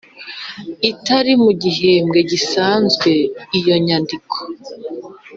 Itari mu gihembwe gisanzwe iyo nyandiko